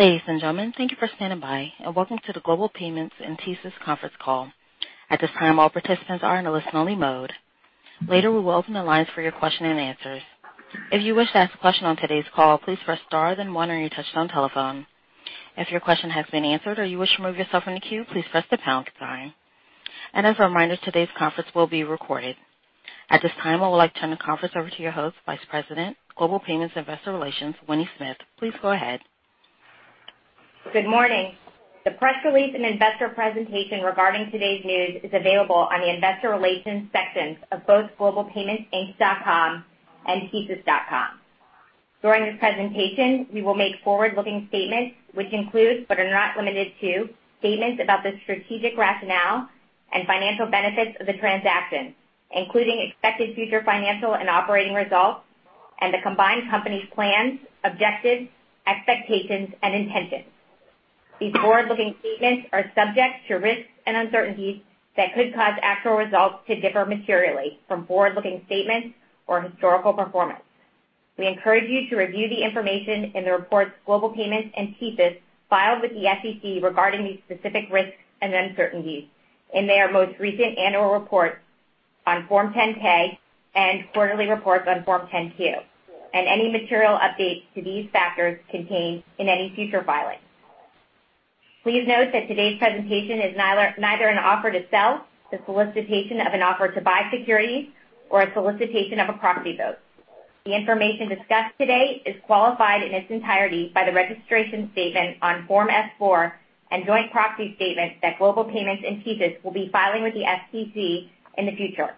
Ladies and gentlemen, thank you for standing by, and welcome to the Global Payments and TSYS conference call. At this time, all participants are in a listen-only mode. Later, we'll open the lines for your question and answers. If you wish to ask a question on today's call, please press star then one on your touchtone telephone. If your question has been answered or you wish to remove yourself from the queue, please press the pound key. As a reminder, today's conference will be recorded. At this time, I would like to turn the conference over to your host, Vice President, Global Payments Investor Relations, Winnie Smith. Please go ahead. Good morning. The press release and investor presentation regarding today's news is available on the investor relations sections of both globalpaymentsinc.com and tsys.com. During this presentation, we will make forward-looking statements which include, but are not limited to, statements about the strategic rationale and financial benefits of the transaction, including expected future financial and operating results and the combined company's plans, objectives, expectations, and intentions. These forward-looking statements are subject to risks and uncertainties that could cause actual results to differ materially from forward-looking statements or historical performance. We encourage you to review the information in the reports Global Payments and TSYS filed with the SEC regarding these specific risks and uncertainties in their most recent annual reports on Form 10-K and quarterly reports on Form 10-Q, and any material updates to these factors contained in any future filings. Please note that today's presentation is neither an offer to sell, the solicitation of an offer to buy securities or a solicitation of a proxy vote. The information discussed today is qualified in its entirety by the registration statement on Form S-4 and joint proxy statement that Global Payments and TSYS will be filing with the SEC in the future.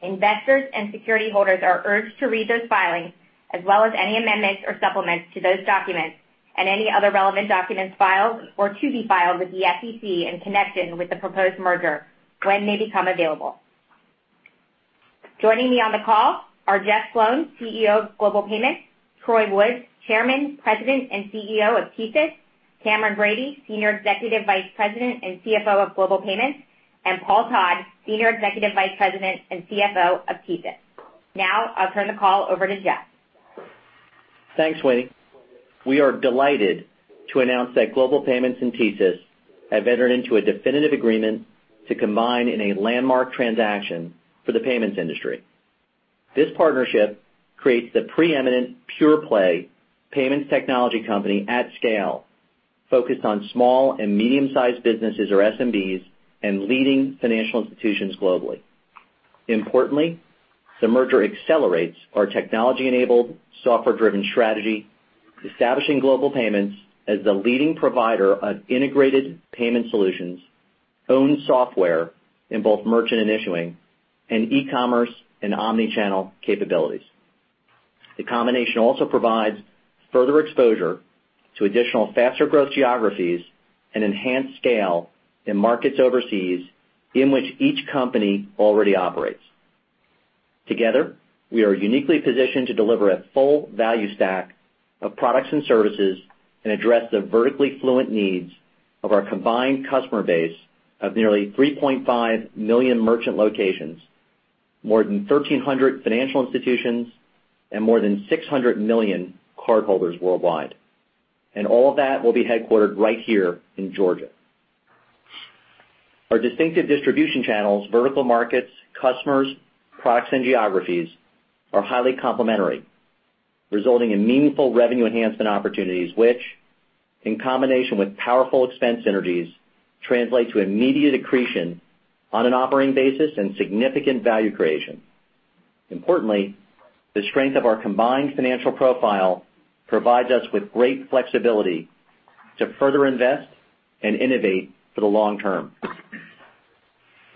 Investors and security holders are urged to read those filings, as well as any amendments or supplements to those documents and any other relevant documents filed or to be filed with the SEC in connection with the proposed merger when they become available. Joining me on the call are Jeff Sloan, CEO of Global Payments; Troy Woods, Chairman, President, and CEO of TSYS; Cameron Bready, Senior Executive Vice President and CFO of Global Payments, and Paul Todd, Senior Executive Vice President and CFO of TSYS. Now, I'll turn the call over to Jeff. Thanks, Winnie. We are delighted to announce that Global Payments and TSYS have entered into a definitive agreement to combine in a landmark transaction for the payments industry. This partnership creates the preeminent pure-play payments technology company at scale, focused on small and medium-sized businesses, or SMBs, and leading financial institutions globally. Importantly, the merger accelerates our technology-enabled, software-driven strategy, establishing Global Payments as the leading provider of integrated payment solutions, owned software in both merchant and issuing, and e-commerce and omni-channel capabilities. The combination also provides further exposure to additional faster growth geographies and enhanced scale in markets overseas in which each company already operates. Together, we are uniquely positioned to deliver a full value stack of products and services and address the vertically fluent needs of our combined customer base of nearly 3.5 million merchant locations, more than 1,300 financial institutions, and more than 600 million cardholders worldwide. All of that will be headquartered right here in Georgia. Our distinctive distribution channels, vertical markets, customers, products, and geographies are highly complementary, resulting in meaningful revenue enhancement opportunities, which, in combination with powerful expense synergies, translate to immediate accretion on an operating basis and significant value creation. Importantly, the strength of our combined financial profile provides us with great flexibility to further invest and innovate for the long term.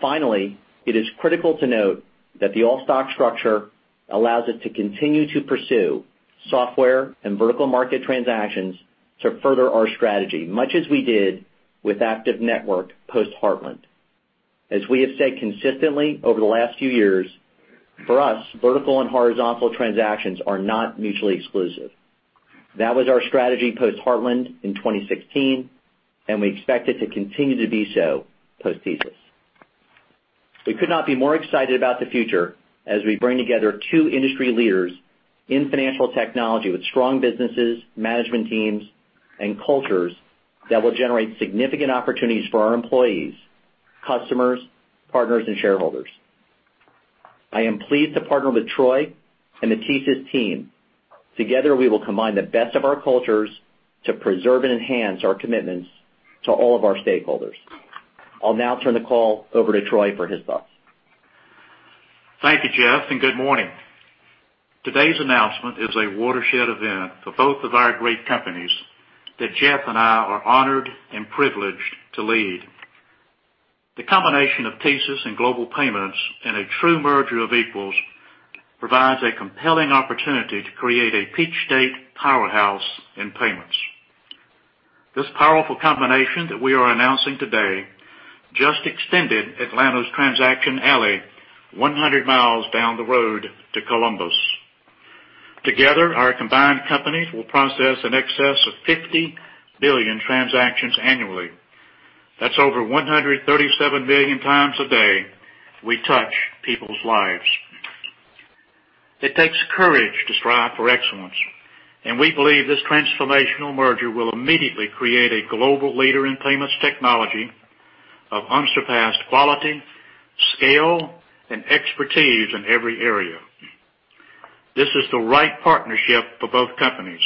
Finally, it is critical to note that the all-stock structure allows us to continue to pursue software and vertical market transactions to further our strategy, much as we did with ACTIVE Network post Heartland. As we have said consistently over the last few years, for us, vertical and horizontal transactions are not mutually exclusive. That was our strategy post Heartland in 2016, and we expect it to continue to be so post TSYS. We could not be more excited about the future as we bring together two industry leaders in financial technology with strong businesses, management teams, and cultures that will generate significant opportunities for our employees, customers, partners, and shareholders. I am pleased to partner with Troy and the TSYS team. Together, we will combine the best of our cultures to preserve and enhance our commitments to all of our stakeholders. I'll now turn the call over to Troy for his thoughts. Thank you, Jeff, and good morning. Today's announcement is a watershed event for both of our great companies that Jeff and I are honored and privileged to lead. The combination of TSYS and Global Payments in a true merger of equals provides a compelling opportunity to create a Peach State powerhouse in payments. This powerful combination that we are announcing today just extended Atlanta's Transaction Alley 100 miles down the road to Columbus. Together, our combined companies will process in excess of 50 billion transactions annually. That's over 137 billion times a day, we touch people's lives. We believe this transformational merger will immediately create a global leader in payments technology of unsurpassed quality, scale, and expertise in every area. This is the right partnership for both companies.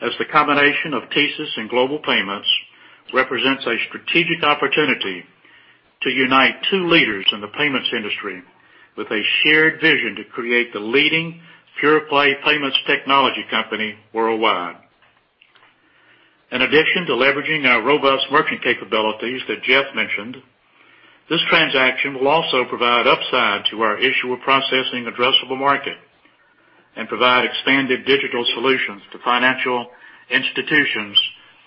The combination of TSYS and Global Payments represents a strategic opportunity to unite two leaders in the payments industry with a shared vision to create the leading pure-play payments technology company worldwide. In addition to leveraging our robust merchant capabilities that Jeff mentioned, this transaction will also provide upside to our issuer processing addressable market and provide expanded digital solutions to financial institutions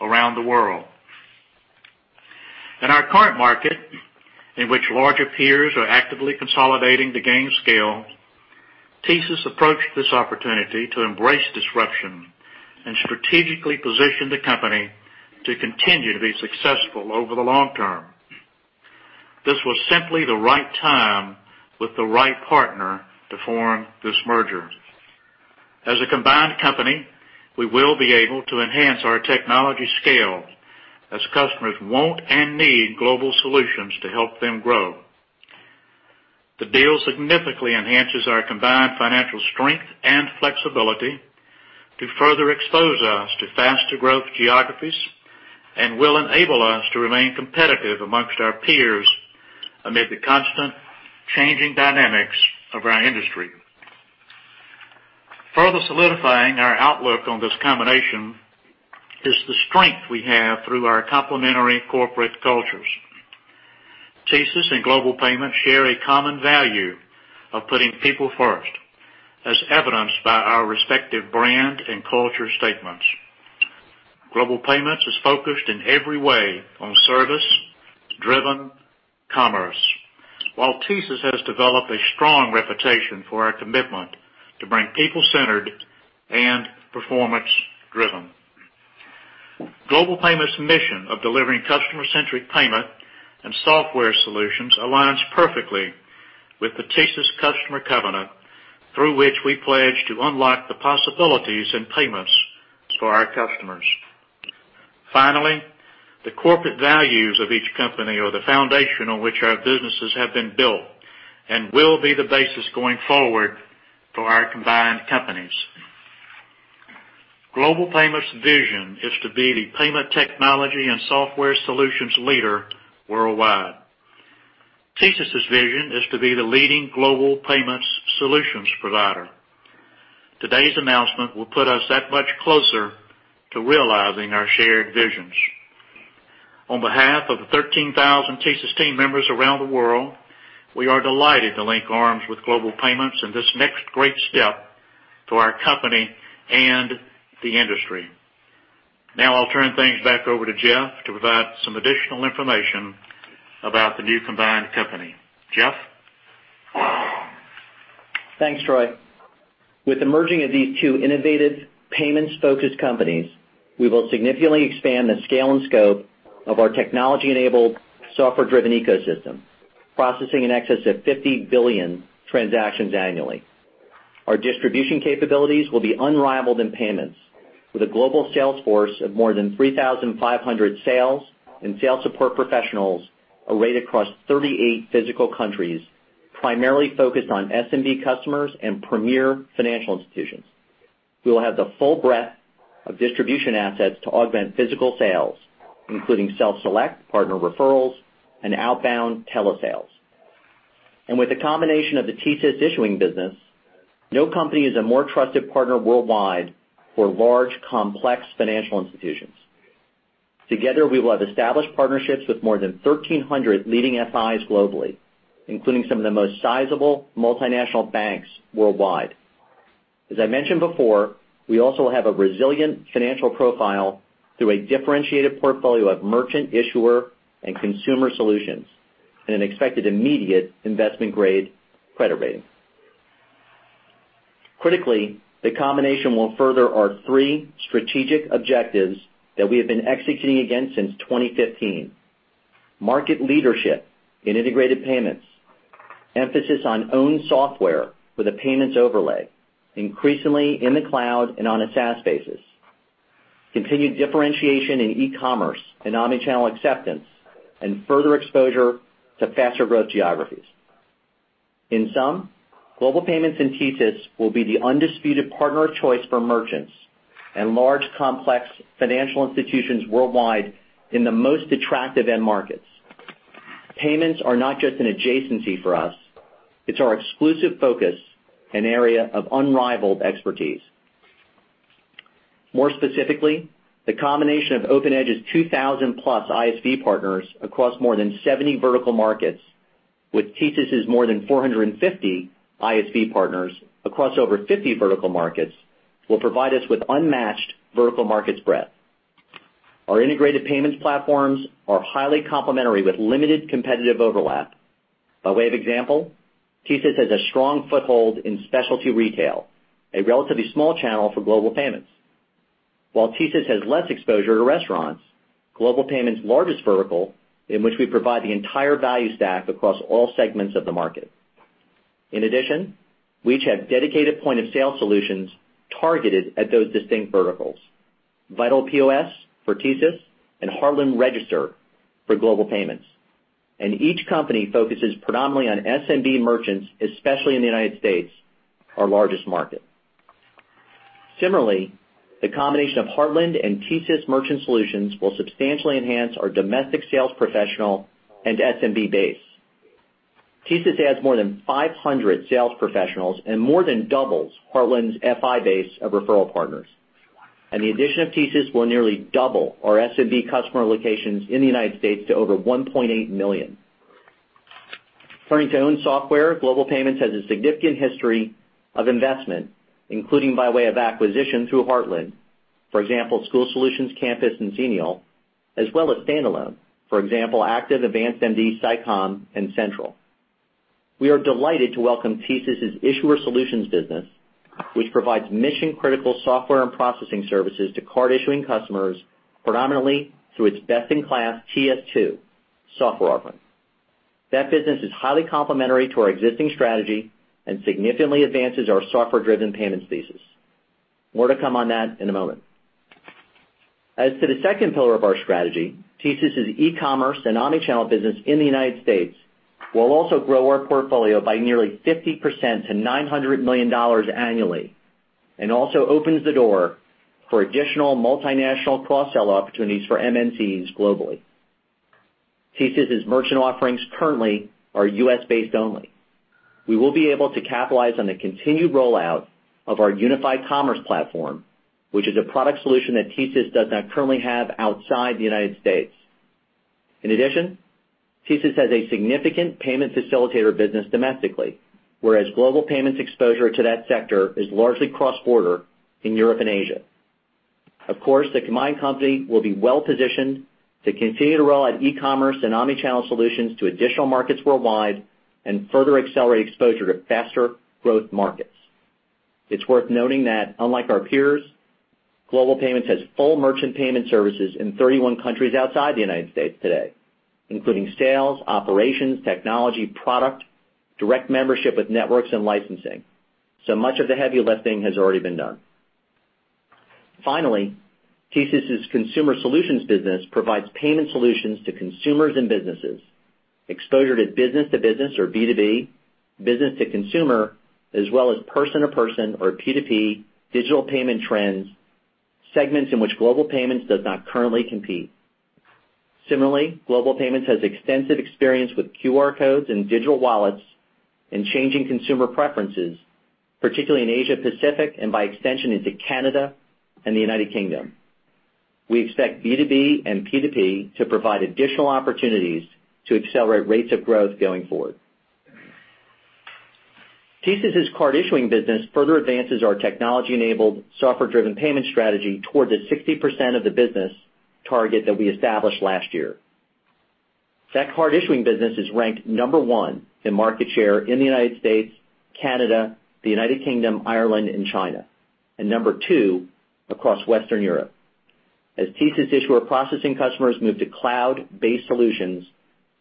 around the world. In our current market, in which larger peers are actively consolidating to gain scale, TSYS approached this opportunity to embrace disruption and strategically position the company to continue to be successful over the long term. This was simply the right time with the right partner to form this merger. As a combined company, we will be able to enhance our technology scale as customers want and need global solutions to help them grow. The deal significantly enhances our combined financial strength and flexibility to further expose us to faster growth geographies and will enable us to remain competitive amongst our peers amid the constant changing dynamics of our industry. Further solidifying our outlook on this combination is the strength we have through our complementary corporate cultures. TSYS and Global Payments share a common value of putting people first, as evidenced by our respective brand and culture statements. Global Payments is focused in every way on service-driven commerce, while TSYS has developed a strong reputation for our commitment to bring people-centered and performance-driven. Global Payments' mission of delivering customer-centric payment and software solutions aligns perfectly with the TSYS customer covenant, through which we pledge to unlock the possibilities in payments for our customers. Finally, the corporate values of each company are the foundation on which our businesses have been built and will be the basis going forward for our combined companies. Global Payments' vision is to be the payment technology and software solutions leader worldwide. TSYS' vision is to be the leading global payments solutions provider. Today's announcement will put us that much closer to realizing our shared visions. On behalf of the 13,000 TSYS team members around the world, we are delighted to link arms with Global Payments in this next great step for our company and the industry. I'll turn things back over to Jeff to provide some additional information about the new combined company. Jeff? Thanks, Troy. With the merging of these two innovative payments-focused companies, we will significantly expand the scale and scope of our technology-enabled, software-driven ecosystem, processing in excess of 50 billion transactions annually. Our distribution capabilities will be unrivaled in payments, with a global sales force of more than 3,500 sales and sales support professionals arrayed across 38 physical countries, primarily focused on SMB customers and premier financial institutions. We will have the full breadth of distribution assets to augment physical sales, including self-select, partner referrals, and outbound telesales. With the combination of the TSYS issuing business, no company is a more trusted partner worldwide for large, complex financial institutions. Together, we will have established partnerships with more than 1,300 leading FIs globally, including some of the most sizable multinational banks worldwide. As I mentioned before, we also have a resilient financial profile through a differentiated portfolio of merchant issuer and consumer solutions and an expected immediate investment-grade credit rating. Critically, the combination will further our three strategic objectives that we have been executing against since 2015. Market leadership in integrated payments, emphasis on owned software with a payments overlay, increasingly in the cloud and on a SaaS basis, continued differentiation in e-commerce and omni-channel acceptance, further exposure to faster growth geographies. In sum, Global Payments and TSYS will be the undisputed partner of choice for merchants and large, complex financial institutions worldwide in the most attractive end markets. Payments are not just an adjacency for us, it's our exclusive focus and area of unrivaled expertise. More specifically, the combination of OpenEdge's 2,000-plus ISV partners across more than 70 vertical markets with TSYS' more than 450 ISV partners across over 50 vertical markets will provide us with unmatched vertical markets breadth. Our integrated payments platforms are highly complementary with limited competitive overlap. By way of example, TSYS has a strong foothold in specialty retail, a relatively small channel for Global Payments. While TSYS has less exposure to restaurants, Global Payments' largest vertical, in which we provide the entire value stack across all segments of the market. In addition, we each have dedicated point-of-sale solutions targeted at those distinct verticals. Vital POS for TSYS and Heartland Register for Global Payments. Each company focuses predominantly on SMB merchants, especially in the U.S., our largest market. Similarly, the combination of Heartland and TSYS Merchant Solutions will substantially enhance our domestic sales professional and SMB base. TSYS has more than 500 sales professionals and more than doubles Heartland's FI base of referral partners. The addition of TSYS will nearly double our SMB customer locations in the U.S. to over 1.8 million. Turning to owned software, Global Payments has a significant history of investment, including by way of acquisition through Heartland. For example, School Solutions, Campus Solutions, and Xenial, as well as standalone. For example, ACTIVE Network, AdvancedMD, SICOM, and Sentral. We are delighted to welcome TSYS' Issuer Solutions business, which provides mission-critical software and processing services to card-issuing customers, predominantly through its best-in-class TS2 software offering. That business is highly complementary to our existing strategy and significantly advances our software-driven payments thesis. More to come on that in a moment. As to the second pillar of our strategy, TSYS' e-commerce and omnichannel business in the United States will also grow our portfolio by nearly 50% to $900 million annually, also opens the door for additional multinational cross-sell opportunities for MNCs globally. TSYS' merchant offerings currently are U.S.-based only. We will be able to capitalize on the continued rollout of our Unified Commerce Platform, which is a product solution that TSYS does not currently have outside the United States. In addition, TSYS has a significant payment facilitator business domestically, whereas Global Payments' exposure to that sector is largely cross-border in Europe and Asia. Of course, the combined company will be well-positioned to continue to roll out e-commerce and omnichannel solutions to additional markets worldwide and further accelerate exposure to faster growth markets. It's worth noting that unlike our peers, Global Payments has full merchant payment services in 31 countries outside the United States today, including sales, operations, technology, product, direct membership with networks, and licensing. Much of the heavy lifting has already been done. Finally, TSYS' Consumer Solutions business provides payment solutions to consumers and businesses, exposure to business-to-business or B2B, business-to-consumer, as well as person-to-person or P2P digital payment trends, segments in which Global Payments does not currently compete. Similarly, Global Payments has extensive experience with QR codes and digital wallets and changing consumer preferences, particularly in Asia Pacific and by extension into Canada and the U.K. We expect B2B and P2P to provide additional opportunities to accelerate rates of growth going forward. TSYS' card-issuing business further advances our technology-enabled, software-driven payment strategy towards the 60% of the business target that we established last year. That card-issuing business is ranked number one in market share in the United States, Canada, the U.K., Ireland, and China, and number two across Western Europe. As TSYS issuer processing customers move to cloud-based solutions,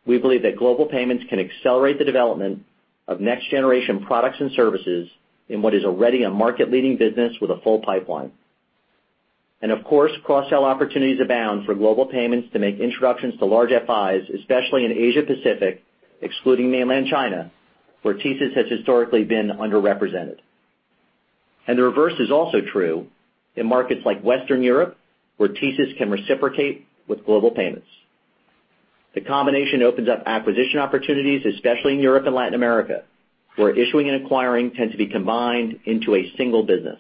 we believe that Global Payments can accelerate the development of next-generation products and services in what is already a market-leading business with a full pipeline. Of course, cross-sell opportunities abound for Global Payments to make introductions to large FIs, especially in Asia Pacific, excluding mainland China, where TSYS has historically been underrepresented. The reverse is also true in markets like Western Europe, where TSYS can reciprocate with Global Payments. The combination opens up acquisition opportunities, especially in Europe and Latin America, where issuing and acquiring tend to be combined into a single business.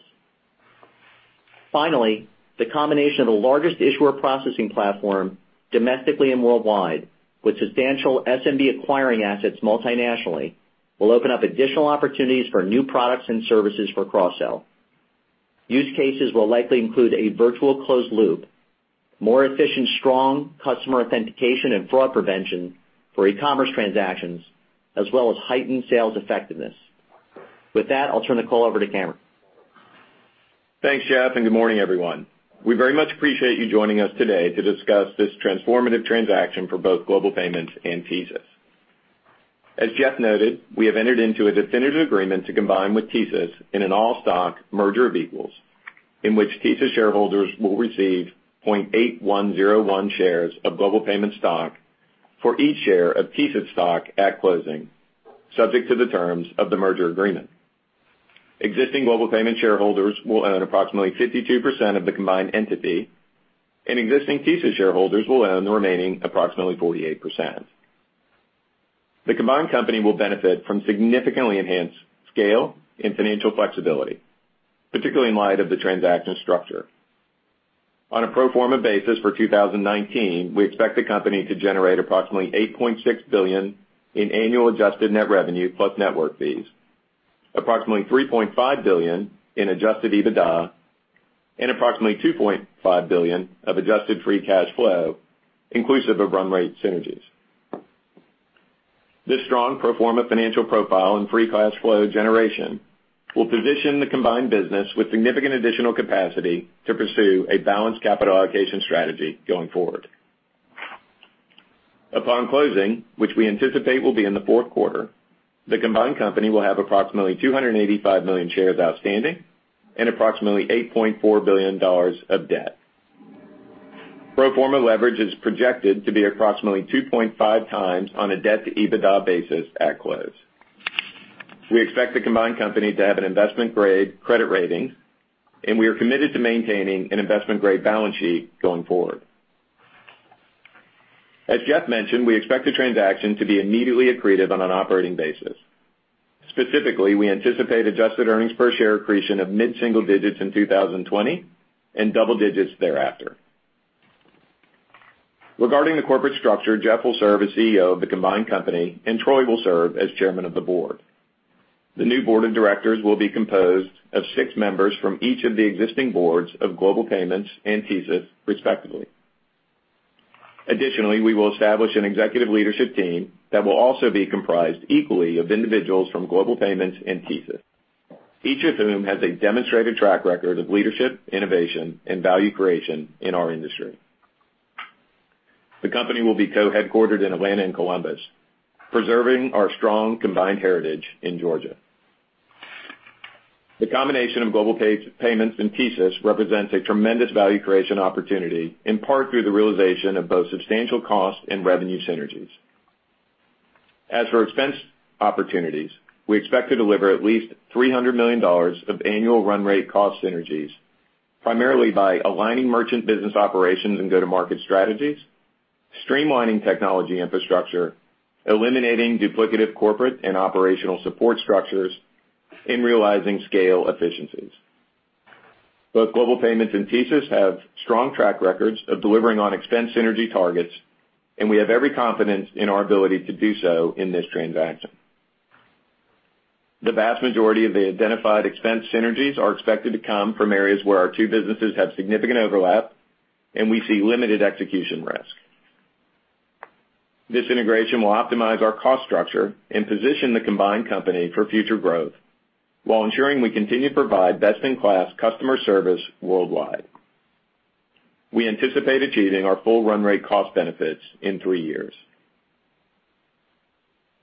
Finally, the combination of the largest issuer processing platform domestically and worldwide, with substantial SMB acquiring assets multi-nationally, will open up additional opportunities for new products and services for cross-sell. Use cases will likely include a virtual closed loop, more efficient, Strong Customer Authentication and fraud prevention for e-commerce transactions, as well as heightened sales effectiveness. With that, I'll turn the call over to Cameron. Thanks, Jeff, and good morning, everyone. We very much appreciate you joining us today to discuss this transformative transaction for both Global Payments and TSYS. As Jeff noted, we have entered into a definitive agreement to combine with TSYS in an all-stock merger of equals, in which TSYS shareholders will receive 0.8101 shares of Global Payments stock for each share of TSYS stock at closing, subject to the terms of the merger agreement. Existing Global Payments shareholders will own approximately 52% of the combined entity, and existing TSYS shareholders will own the remaining approximately 48%. The combined company will benefit from significantly enhanced scale and financial flexibility, particularly in light of the transaction structure. On a pro forma basis for 2019, we expect the company to generate approximately $8.6 billion in annual adjusted net revenue plus network fees, approximately $3.5 billion in adjusted EBITDA. Approximately $2.5 billion of adjusted free cash flow, inclusive of run rate synergies. This strong pro forma financial profile and free cash flow generation will position the combined business with significant additional capacity to pursue a balanced capital allocation strategy going forward. Upon closing, which we anticipate will be in the fourth quarter, the combined company will have approximately 285 million shares outstanding and approximately $8.4 billion of debt. Pro forma leverage is projected to be approximately 2.5 times on a debt-to-EBITDA basis at close. We expect the combined company to have an investment-grade credit rating, and we are committed to maintaining an investment-grade balance sheet going forward. As Jeff mentioned, we expect the transaction to be immediately accretive on an operating basis. Specifically, we anticipate adjusted earnings per share accretion of mid-single digits in 2020 and double digits thereafter. Regarding the corporate structure, Jeff will serve as CEO of the combined company, and Troy will serve as chairman of the board. The new board of directors will be composed of six members from each of the existing boards of Global Payments and TSYS, respectively. Additionally, we will establish an executive leadership team that will also be comprised equally of individuals from Global Payments and TSYS, each of whom has a demonstrated track record of leadership, innovation, and value creation in our industry. The company will be co-headquartered in Atlanta and Columbus, preserving our strong combined heritage in Georgia. The combination of Global Payments and TSYS represents a tremendous value creation opportunity, in part through the realization of both substantial cost and revenue synergies. As for expense opportunities, we expect to deliver at least $300 million of annual run rate cost synergies, primarily by aligning merchant business operations and go-to-market strategies, streamlining technology infrastructure, eliminating duplicative corporate and operational support structures, and realizing scale efficiencies. Both Global Payments and TSYS have strong track records of delivering on expense synergy targets, and we have every confidence in our ability to do so in this transaction. The vast majority of the identified expense synergies are expected to come from areas where our two businesses have significant overlap, and we see limited execution risk. This integration will optimize our cost structure and position the combined company for future growth while ensuring we continue to provide best-in-class customer service worldwide. We anticipate achieving our full run rate cost benefits in three years.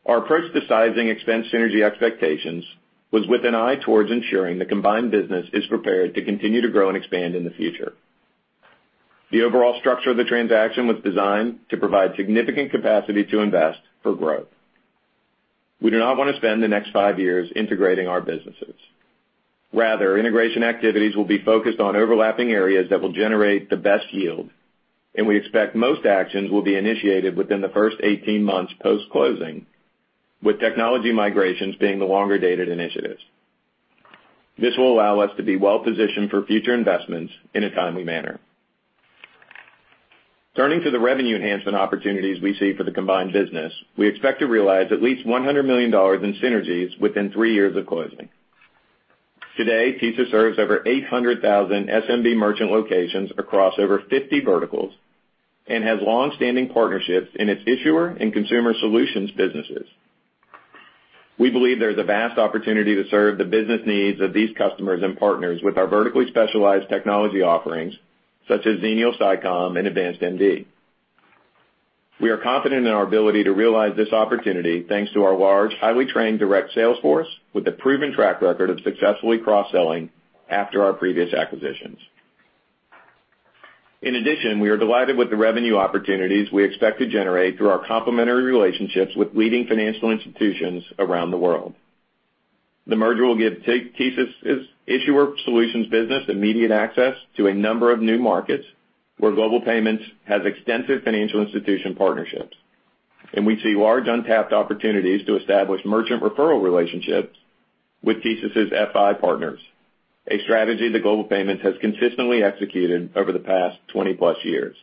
Our approach to sizing expense synergy expectations was with an eye towards ensuring the combined business is prepared to continue to grow and expand in the future. The overall structure of the transaction was designed to provide significant capacity to invest for growth. We do not want to spend the next five years integrating our businesses. Rather, integration activities will be focused on overlapping areas that will generate the best yield, and we expect most actions will be initiated within the first 18 months post-closing, with technology migrations being the longer-dated initiatives. This will allow us to be well-positioned for future investments in a timely manner. Turning to the revenue enhancement opportunities we see for the combined business, we expect to realize at least $100 million in synergies within three years of closing. Today, TSYS serves over 800,000 SMB merchant locations across over 50 verticals and has longstanding partnerships in its Issuer Solutions and Consumer Solutions businesses. We believe there's a vast opportunity to serve the business needs of these customers and partners with our vertically specialized technology offerings such as Xenial, SICOM, and AdvancedMD. We are confident in our ability to realize this opportunity thanks to our large, highly trained direct sales force with a proven track record of successfully cross-selling after our previous acquisitions. We are delighted with the revenue opportunities we expect to generate through our complementary relationships with leading financial institutions around the world. The merger will give TSYS' Issuer Solutions business immediate access to a number of new markets where Global Payments has extensive financial institution partnerships, and we see large untapped opportunities to establish merchant referral relationships with TSYS' FI partners, a strategy that Global Payments has consistently executed over the past 20-plus years.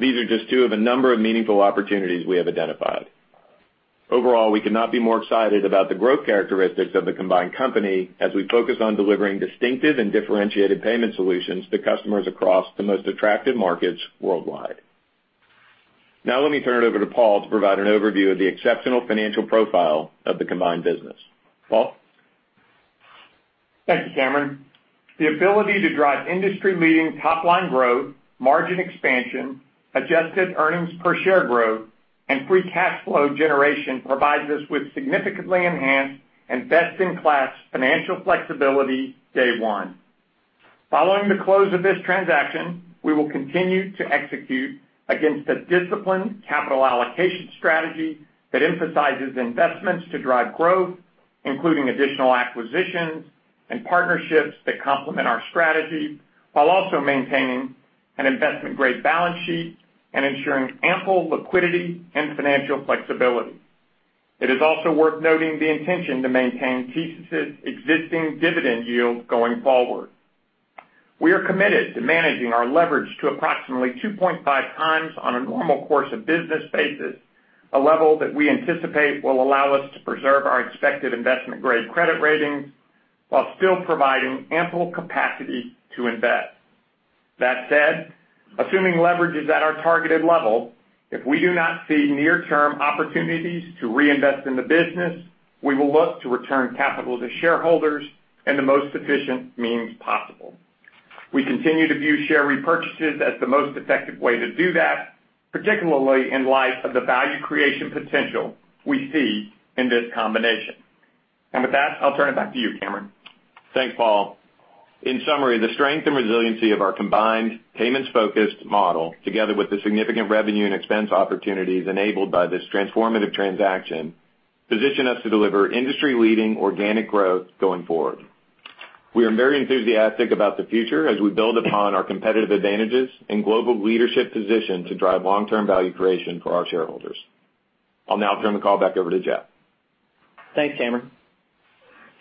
These are just two of a number of meaningful opportunities we have identified. We could not be more excited about the growth characteristics of the combined company as we focus on delivering distinctive and differentiated payment solutions to customers across the most attractive markets worldwide. Let me turn it over to Paul to provide an overview of the exceptional financial profile of the combined business. Paul? Thank you, Cameron. The ability to drive industry-leading top-line growth, margin expansion, adjusted earnings per share growth, and free cash flow generation provides us with significantly enhanced and best-in-class financial flexibility day 1. Following the close of this transaction, we will continue to execute against a disciplined capital allocation strategy that emphasizes investments to drive growth, including additional acquisitions and partnerships that complement our strategy while also maintaining an investment-grade balance sheet and ensuring ample liquidity and financial flexibility. It is also worth noting the intention to maintain TSYS' existing dividend yield going forward. We are committed to managing our leverage to approximately 2.5 times on a normal course of business basis, a level that we anticipate will allow us to preserve our expected investment-grade credit rating while still providing ample capacity to invest. That said, assuming leverage is at our targeted level, if we do not see near-term opportunities to reinvest in the business, we will look to return capital to shareholders in the most efficient means possible. We continue to view share repurchases as the most effective way to do that, particularly in light of the value creation potential we see in this combination. With that, I'll turn it back to you, Cameron. Thanks, Paul. In summary, the strength and resiliency of our combined payments-focused model, together with the significant revenue and expense opportunities enabled by this transformative transaction, position us to deliver industry-leading organic growth going forward. We are very enthusiastic about the future as we build upon our competitive advantages and global leadership position to drive long-term value creation for our shareholders. I'll now turn the call back over to Jeff. Thanks, Cameron.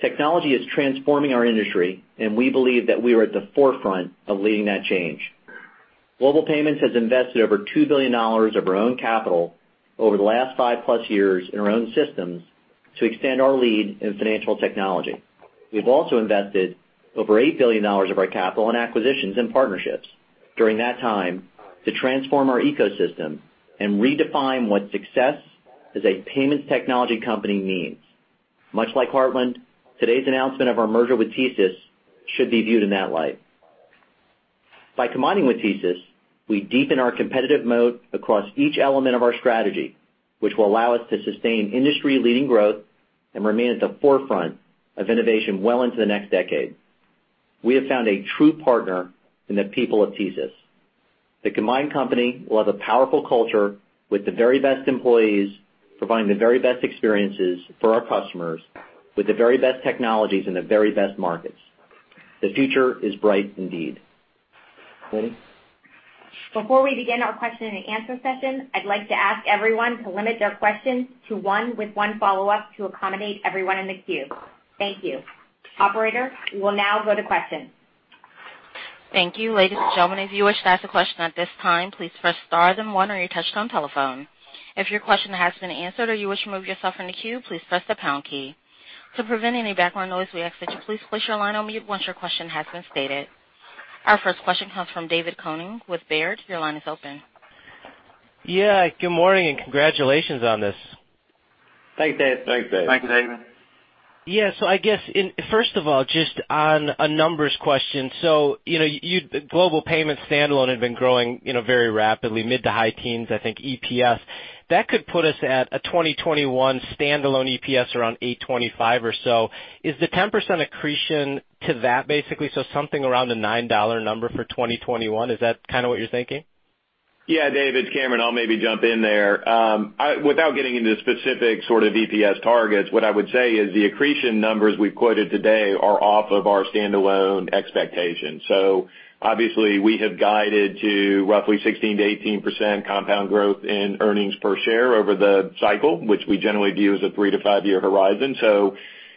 Technology is transforming our industry, and we believe that we are at the forefront of leading that change. Global Payments has invested over $2 billion of our own capital over the last five-plus years in our own systems to extend our lead in financial technology. We've also invested over $8 billion of our capital in acquisitions and partnerships during that time to transform our ecosystem and redefine what success as a payments technology company means. Much like Heartland, today's announcement of our merger with TSYS should be viewed in that light. By combining with TSYS, we deepen our competitive moat across each element of our strategy, which will allow us to sustain industry-leading growth and remain at the forefront of innovation well into the next decade. We have found a true partner in the people of TSYS. The combined company will have a powerful culture with the very best employees, providing the very best experiences for our customers with the very best technologies in the very best markets. The future is bright indeed. Winnie? Before we begin our question and answer session, I'd like to ask everyone to limit their questions to one with one follow-up to accommodate everyone in the queue. Thank you. Operator, we will now go to questions. Thank you. Ladies and gentlemen, if you wish to ask a question at this time, please press star then one on your touchtone telephone. If your question has been answered or you wish to remove yourself from the queue, please press the pound key. To prevent any background noise, we ask that you please place your line on mute once your question has been stated. Our first question comes from David Koning with Baird. Your line is open. Yeah. Good morning, and congratulations on this. Thanks, Dave. Thanks, Dave. Thank you, David. Yeah. I guess, first of all, just on a numbers question. Global Payments standalone had been growing very rapidly, mid to high teens, I think EPS. That could put us at a 2021 standalone EPS around $8.25 or so. Is the 10% accretion to that basically, something around the $9 number for 2021? Is that kind of what you're thinking? Yeah, David, it's Cameron. I'll maybe jump in there. Without getting into specific sort of EPS targets, what I would say is the accretion numbers we've quoted today are off of our standalone expectations. Obviously we have guided to roughly 16%-18% compound growth in earnings per share over the cycle, which we generally view as a three-to five-year horizon.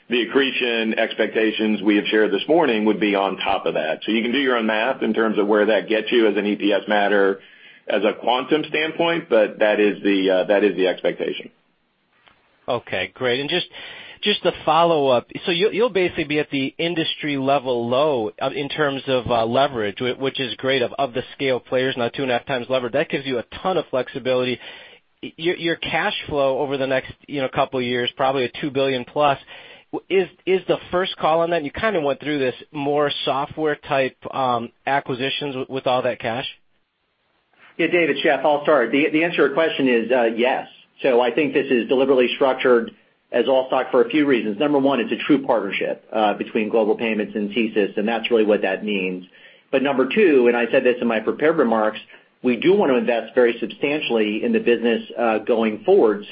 The accretion expectations we have shared this morning would be on top of that. You can do your own math in terms of where that gets you as an EPS matter as a quantum standpoint, but that is the expectation. Okay, great. Just a follow-up. You'll basically be at the industry level low in terms of leverage, which is great of the scale players, now 2.5 times leverage. That gives you a ton of flexibility. Your cash flow over the next couple of years, probably at $2 billion-plus. Is the first call on that, you kind of went through this more software type acquisitions with all that cash? Yeah, David, it's Jeff. I'll start. The answer to your question is yes. I think this is deliberately structured as all stock for a few reasons. Number one, it's a true partnership between Global Payments and TSYS, and that's really what that means. Number two, and I said this in my prepared remarks, we do want to invest very substantially in the business going forward.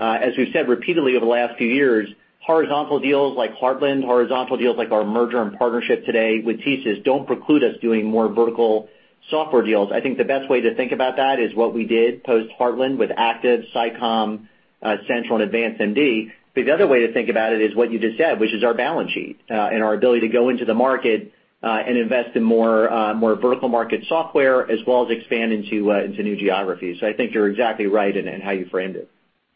As we've said repeatedly over the last few years, horizontal deals like Heartland, horizontal deals like our merger and partnership today with TSYS don't preclude us doing more vertical software deals. I think the best way to think about that is what we did post Heartland with Active, SICOM, Sentral, and AdvancedMD. The other way to think about it is what you just said, which is our balance sheet and our ability to go into the market and invest in more vertical market software as well as expand into new geographies. I think you're exactly right in how you framed it.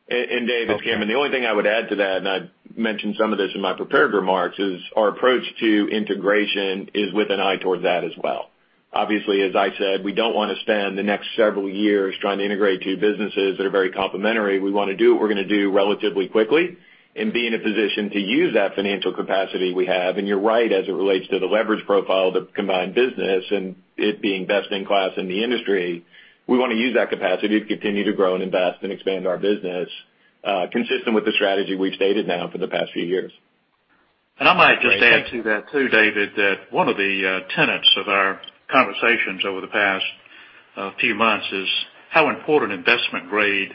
David, it's Cameron. The only thing I would add to that, and I mentioned some of this in my prepared remarks, is our approach to integration is with an eye toward that as well. Obviously, as I said, we don't want to spend the next several years trying to integrate two businesses that are very complementary. We want to do what we're going to do relatively quickly and be in a position to use that financial capacity we have. You're right, as it relates to the leverage profile of the combined business and it being best in class in the industry, we want to use that capacity to continue to grow and invest and expand our business, consistent with the strategy we've stated now for the past few years. I might just add to that, too, David, that one of the tenets of our conversations over the past few months is how important investment grade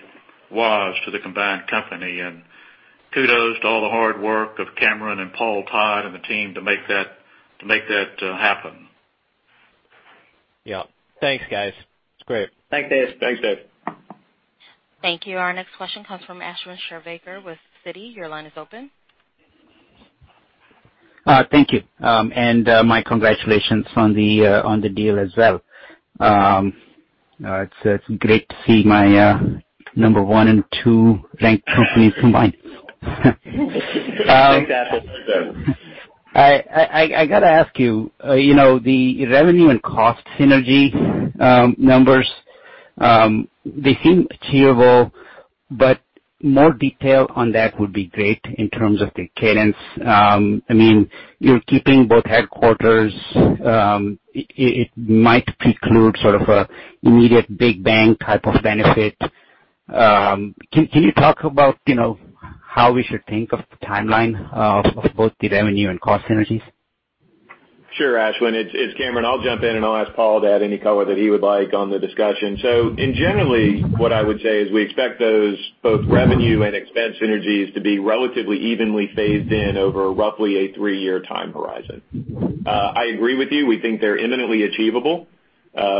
was to the combined company. Kudos to all the hard work of Cameron Bready and Paul Todd and the team to make that happen. Yeah. Thanks, guys. It's great. Thanks, Dave. Thanks, Dave. Thank you. Our next question comes from Ashwin Shirvaikar with Citi. Your line is open. Thank you. My congratulations on the deal as well. It's great to see my number one and two ranked companies combined. Thanks, Ashwin. I got to ask you, the revenue and cost synergy numbers, they seem achievable. More detail on that would be great in terms of the cadence. You're keeping both headquarters. It might preclude sort of an immediate big bank type of benefit. Can you talk about how we should think of the timeline of both the revenue and cost synergies? Sure, Ashwin. It's Cameron. I'll jump in, and I'll ask Paul to add any color that he would like on the discussion. Generally, what I would say is we expect those both revenue and expense synergies to be relatively evenly phased in over roughly a 3-year time horizon. I agree with you. We think they're imminently achievable.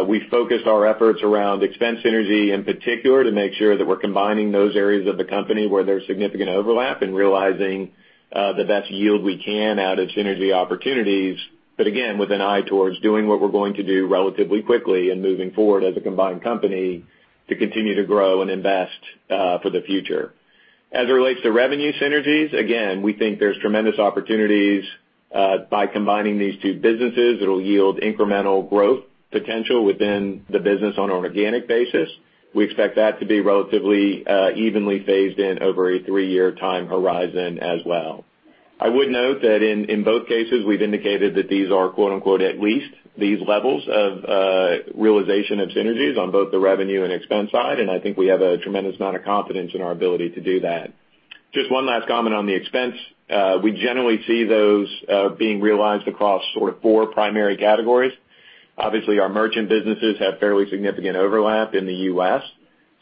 We focused our efforts around expense synergy, in particular, to make sure that we're combining those areas of the company where there's significant overlap in realizing the best yield we can out of synergy opportunities. Again, with an eye towards doing what we're going to do relatively quickly and moving forward as a combined company to continue to grow and invest for the future. As it relates to revenue synergies, again, we think there's tremendous opportunities by combining these two businesses. It'll yield incremental growth potential within the business on an organic basis. We expect that to be relatively evenly phased in over a 3-year time horizon as well. I would note that in both cases, we've indicated that these are "at least" these levels of realization of synergies on both the revenue and expense side, and I think we have a tremendous amount of confidence in our ability to do that. Just one last comment on the expense. We generally see those being realized across sort of 4 primary categories. Obviously, our merchant businesses have fairly significant overlap in the U.S.,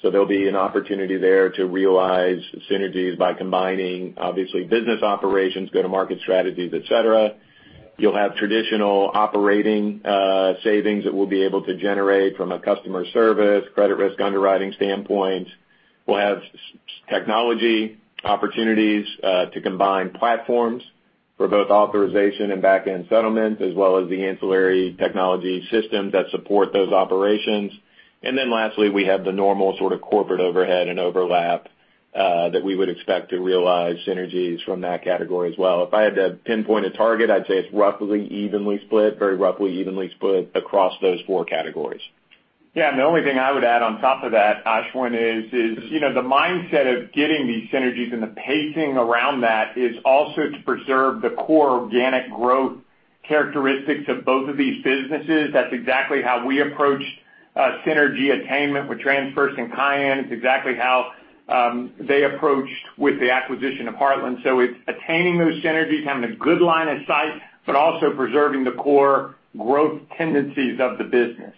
so there'll be an opportunity there to realize synergies by combining, obviously, business operations, go-to-market strategies, et cetera. You'll have traditional operating savings that we'll be able to generate from a customer service, credit risk underwriting standpoint. We'll have technology opportunities to combine platforms for both authorization and back-end settlements, as well as the ancillary technology systems that support those operations. Lastly, we have the normal sort of corporate overhead and overlap, that we would expect to realize synergies from that category as well. If I had to pinpoint a target, I'd say it's very roughly evenly split across those 4 categories. The only thing I would add on top of that, Ashwin, is the mindset of getting these synergies and the pacing around that is also to preserve the core organic growth characteristics of both of these businesses. That's exactly how we approached synergy attainment with TransFirst and Cayan. It's exactly how they approached with the acquisition of Heartland. It's attaining those synergies, having a good line of sight, but also preserving the core growth tendencies of the business.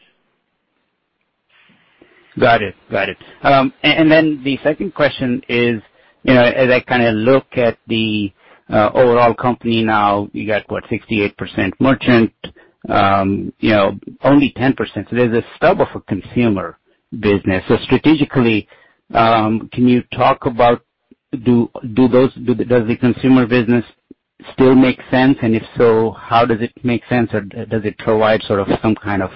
Got it. The second question is, as I kind of look at the overall company now, you got, what, 68% merchant, only 10%. There's a stub of a consumer business. Strategically, can you talk about, does the consumer business still make sense, and if so, how does it make sense, or does it provide sort of some kind of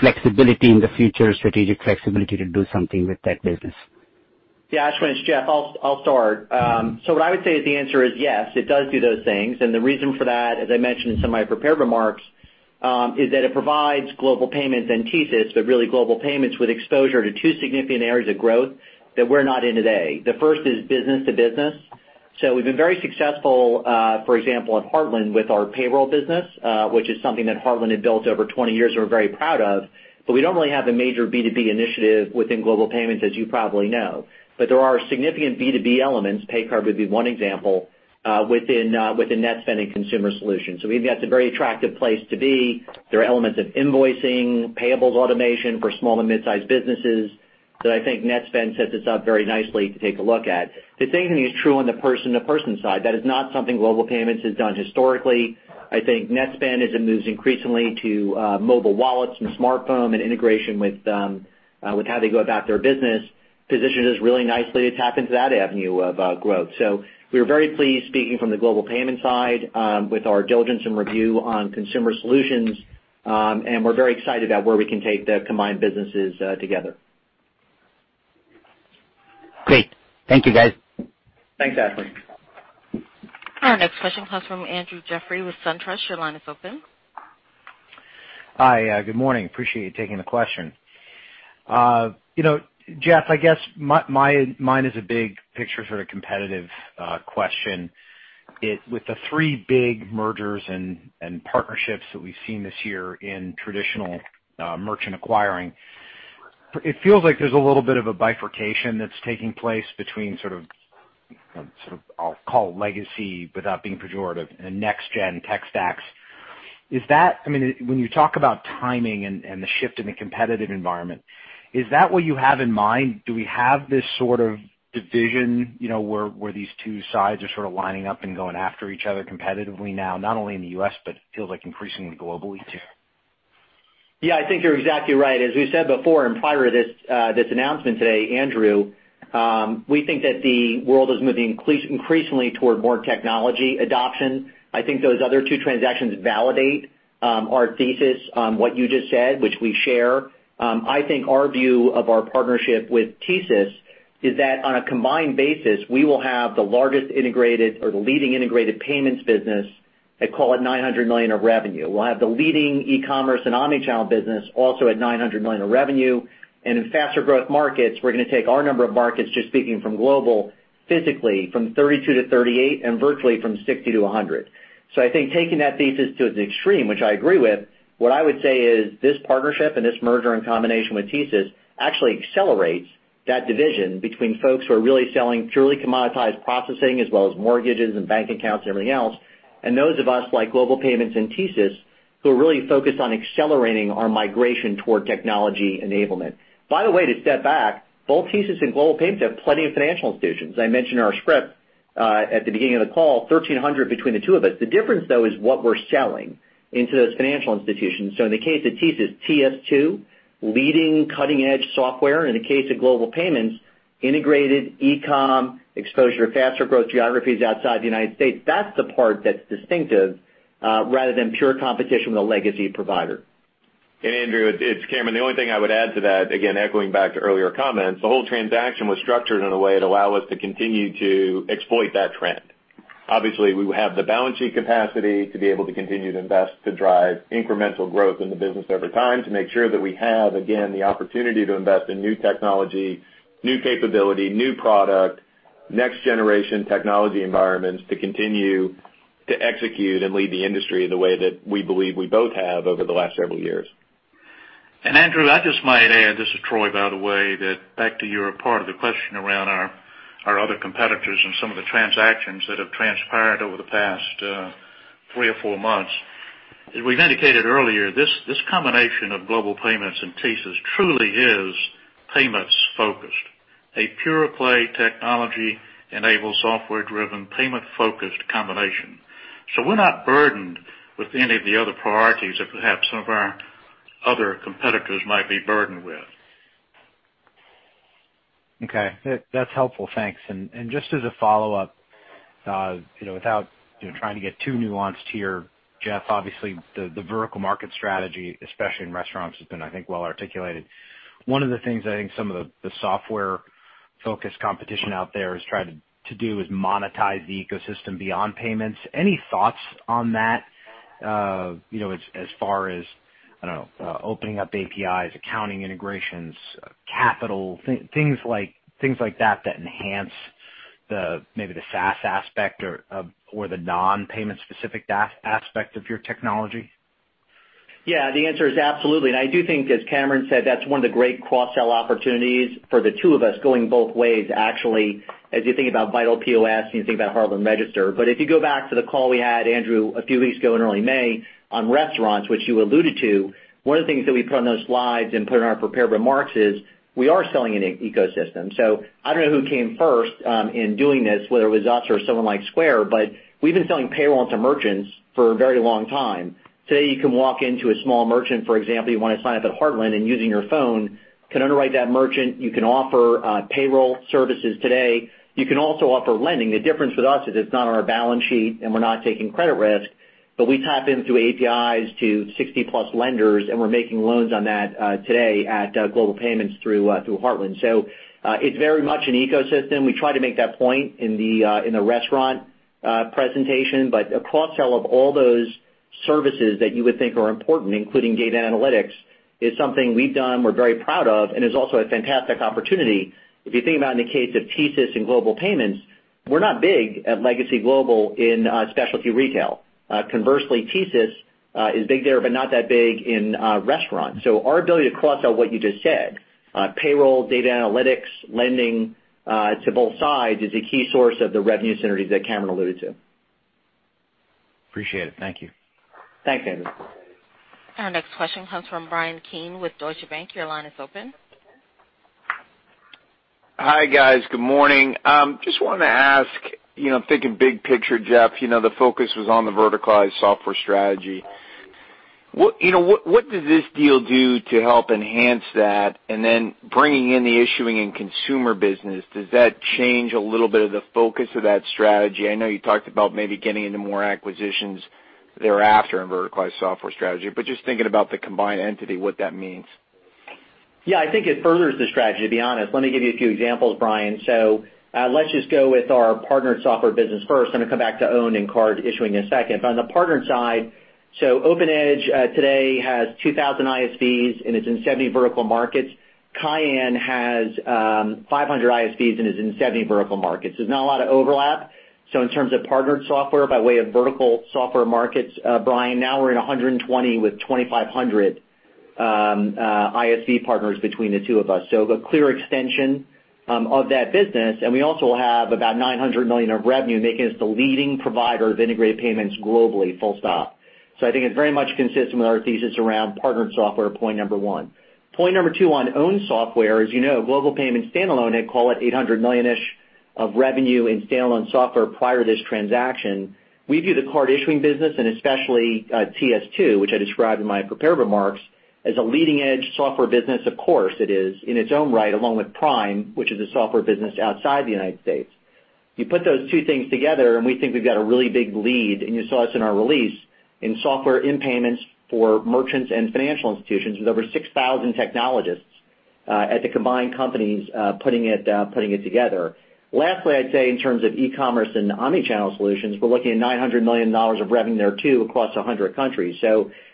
flexibility in the future, strategic flexibility to do something with that business? Yeah, Ashwin, it's Jeff. I'll start. What I would say is the answer is yes, it does do those things, and the reason for that, as I mentioned in some of my prepared remarks, is that it provides Global Payments antithesis, but really Global Payments with exposure to two significant areas of growth that we're not in today. The first is business-to-business. We've been very successful, for example, at Heartland with our payroll business, which is something that Heartland had built over 20 years and we're very proud of. We don't really have a major B2B initiative within Global Payments, as you probably know. There are significant B2B elements, paycard would be one example, within Netspend and Consumer Solutions. We think that's a very attractive place to be. There are elements of invoicing, payables automation for small and mid-sized businesses that I think Netspend sets us up very nicely to take a look at. The same thing is true on the person-to-person side. That is not something Global Payments has done historically. I think Netspend, as it moves increasingly to mobile wallets and smartphone and integration with how they go about their business, positions us really nicely to tap into that avenue of growth. We are very pleased, speaking from the Global Payments side, with our diligence and review on Consumer Solutions, and we're very excited about where we can take the combined businesses together. Great. Thank you, guys. Thanks, Ashwin. Our next question comes from Andrew Jeffrey with SunTrust. Your line is open. Hi. Good morning. Appreciate you taking the question. Jeff, I guess mine is a big picture sort of competitive question. With the three big mergers and partnerships that we've seen this year in traditional merchant acquiring, it feels like there's a little bit of a bifurcation that's taking place between sort of, I'll call legacy without being pejorative, and next gen tech stacks. When you talk about timing and the shift in the competitive environment, is that what you have in mind? Do we have this sort of division where these two sides are sort of lining up and going after each other competitively now, not only in the U.S., but it feels like increasingly globally too? I think you're exactly right. As we said before in prior to this announcement today, Andrew, we think that the world is moving increasingly toward more technology adoption. I think those other two transactions validate our thesis on what you just said, which we share. I think our view of our partnership with TSYS is that on a combined basis, we will have the largest integrated or the leading integrated payments business at call it $900 million of revenue. We'll have the leading e-commerce and omnichannel business also at $900 million of revenue. In faster growth markets, we're going to take our number of markets, just speaking from Global physically from 32 to 38 and virtually from 60 to 100. I think taking that thesis to the extreme, which I agree with, what I would say is this partnership and this merger in combination with TSYS actually accelerates that division between folks who are really selling purely commoditized processing as well as mortgages and bank accounts and everything else. Those of us like Global Payments and TSYS who are really focused on accelerating our migration toward technology enablement. By the way, to step back, both TSYS and Global Payments have plenty of financial institutions. I mentioned in our script at the beginning of the call, 1,300 between the two of us. The difference though is what we're selling into those financial institutions. In the case of TSYS, TS2 leading cutting edge software. In the case of Global Payments, integrated e-com exposure to faster growth geographies outside the United States. That's the part that's distinctive rather than pure competition with a legacy provider. Andrew, it's Cameron. The only thing I would add to that, again, echoing back to earlier comments, the whole transaction was structured in a way that allow us to continue to exploit that trend. Obviously, we have the balance sheet capacity to be able to continue to invest to drive incremental growth in the business over time to make sure that we have, again, the opportunity to invest in new technology, new capability, new product, next generation technology environments to continue to execute and lead the industry the way that we believe we both have over the last several years. Andrew, I just might add, this is Troy, by the way, that back to your part of the question around our other competitors and some of the transactions that have transpired over the past three or four months. As we've indicated earlier, this combination of Global Payments and TSYS truly is payments focused, a pure play technology-enabled, software-driven, payment-focused combination. We're not burdened with any of the other priorities that perhaps some of our other competitors might be burdened with. Okay. That's helpful. Thanks. Just as a follow-up without trying to get too nuanced here, Jeff, obviously the vertical market strategy, especially in restaurants, has been, I think, well articulated. One of the things I think some of the software-focused competition out there has tried to do is monetize the ecosystem beyond payments. Any thoughts on that? As far as opening up APIs, accounting integrations, capital, things like that enhance maybe the SaaS aspect or the non-payment specific aspect of your technology? Yeah, the answer is absolutely. I do think, as Cameron said, that's one of the great cross-sell opportunities for the two of us going both ways. Actually, as you think about Vital POS and you think about Heartland Register. If you go back to the call we had, Andrew, a few weeks ago in early May on restaurants, which you alluded to, one of the things that we put on those slides and put in our prepared remarks is we are selling an ecosystem. I don't know who came first in doing this, whether it was us or someone like Square, but we've been selling payroll to merchants for a very long time. Today you can walk into a small merchant, for example, you want to sign up at Heartland and using your phone can underwrite that merchant. You can offer payroll services today. You can also offer lending. The difference with us is it's not on our balance sheet and we're not taking credit risk, but we tap into APIs to 60 plus lenders and we're making loans on that today at Global Payments through Heartland. It's very much an ecosystem. We try to make that point in the restaurant presentation. A cross-sell of all those services that you would think are important, including data analytics, is something we've done, we're very proud of and is also a fantastic opportunity. If you think about in the case of TSYS and Global Payments, we're not big at legacy Global in specialty retail. Conversely, TSYS is big there but not that big in restaurants. Our ability to cross-sell what you just said payroll, data analytics, lending to both sides is a key source of the revenue synergies that Cameron alluded to. Appreciate it. Thank you. Thanks, Andrew. Our next question comes from Bryan Keane with Deutsche Bank. Your line is open. Hi guys. Good morning. Just wanted to ask, thinking big picture, Jeff, the focus was on the verticalized software strategy. What does this deal do to help enhance that? Bringing in the issuing and consumer business, does that change a little bit of the focus of that strategy? I know you talked about maybe getting into more acquisitions thereafter in verticalized software strategy, just thinking about the combined entity, what that means. Yeah, I think it furthers the strategy, to be honest. Let me give you a few examples, Bryan. Let's just go with our partnered software business first, I'll come back to owned and card issuing in a second. On the partnered side, OpenEdge today has 2,000 ISVs and is in 70 vertical markets. Cayan has 500 ISVs and is in 70 vertical markets. There's not a lot of overlap. In terms of partnered software by way of vertical software markets Bryan, now we're in 120 with 2,500 ISV partners between the two of us. A clear extension of that business. We also have about $900 million of revenue making us the leading provider of integrated payments globally, full stop. I think it very much consists with our thesis around partnered software, point number 1. Point number two on owned software, as you know, Global Payments standalone at call it $800 million-ish of revenue and standalone software prior to this transaction. We view the card-issuing business, and especially TS2, which I described in my prepared remarks, as a leading-edge software business. Of course, it is, in its own right, along with Prism, which is a software business outside the U.S. You put those two things together and we think we've got a really big lead, and you saw this in our release, in software in payments for merchants and financial institutions, with over 6,000 technologists at the combined companies putting it together. Lastly, I'd say in terms of e-commerce and omni-channel solutions, we're looking at $900 million of revenue there too across 100 countries.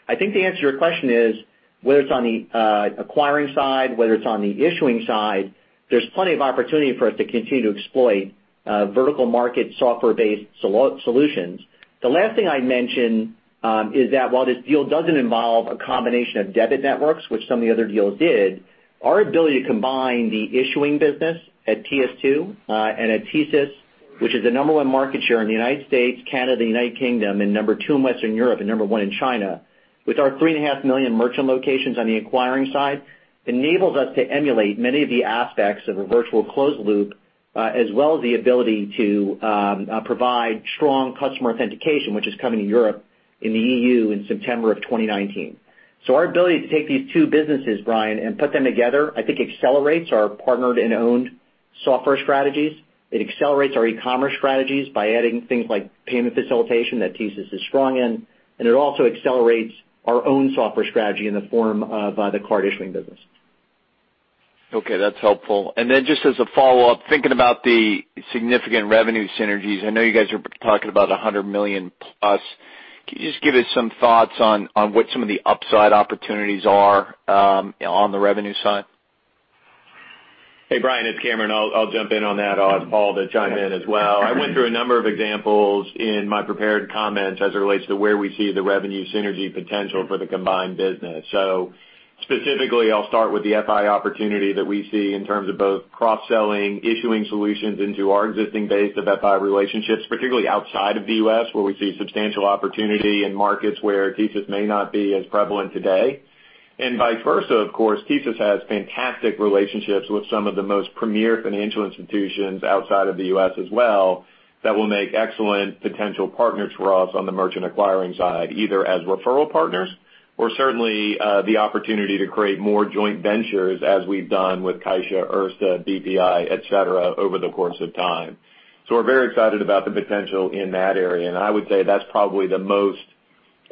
I think the answer to your question is, whether it's on the acquiring side, whether it's on the issuing side, there's plenty of opportunity for us to continue to exploit vertical market software-based solutions. The last thing I'd mention is that while this deal doesn't involve a combination of debit networks, which some of the other deals did, our ability to combine the issuing business at TS2 and at TSYS, which is the number one market share in the U.S., Canada, U.K., and number two in Western Europe, and number one in China, with our three and a half million merchant locations on the acquiring side, enables us to emulate many of the aspects of a virtual closed loop, as well as the ability to provide Strong Customer Authentication, which is coming to Europe in the EU in September 2019. Our ability to take these two businesses, Bryan, and put them together, I think accelerates our partnered and owned software strategies. It accelerates our e-commerce strategies by adding things like payment facilitation that TSYS is strong in. It also accelerates our own software strategy in the form of the card-issuing business. Okay, that's helpful. Just as a follow-up, thinking about the significant revenue synergies, I know you guys are talking about $100 million+. Can you just give us some thoughts on what some of the upside opportunities are on the revenue side? Hey, Bryan, it's Cameron. I'll jump in on that. I'll ask Paul to chime in as well. I went through a number of examples in my prepared comments as it relates to where we see the revenue synergy potential for the combined business. Specifically, I'll start with the FI opportunity that we see in terms of both cross-selling Issuer Solutions into our existing base of FI relationships, particularly outside of the U.S., where we see substantial opportunity in markets where TSYS may not be as prevalent today. Vice versa, of course, TSYS has fantastic relationships with some of the most premier financial institutions outside of the U.S. as well that will make excellent potential partners for us on the merchant acquiring side, either as referral partners or certainly the opportunity to create more joint ventures as we've done with CaixaBank, Erste, BPI, et cetera, over the course of time. We're very excited about the potential in that area. I would say that's probably the most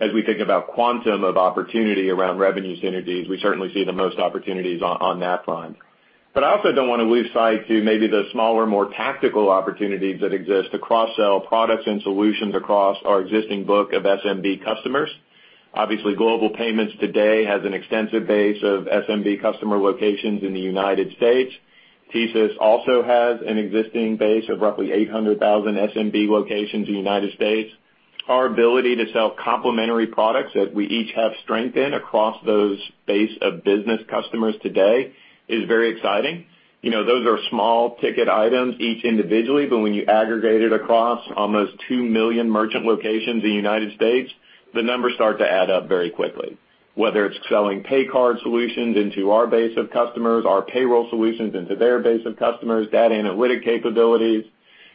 as we think about quantum of opportunity around revenue synergies, we certainly see the most opportunities on that front. I also don't want to lose sight to maybe the smaller, more tactical opportunities that exist to cross-sell products and solutions across our existing book of SMB customers. Obviously, Global Payments today has an extensive base of SMB customer locations in the United States. TSYS also has an existing base of roughly 800,000 SMB locations in the United States. Our ability to sell complementary products that we each have strength in across those base of business customers today is very exciting. Those are small ticket items, each individually, but when you aggregate it across almost 2 million merchant locations in the United States, the numbers start to add up very quickly. Whether it's selling paycard solutions into our base of customers, our payroll solutions into their base of customers, data analytic capabilities,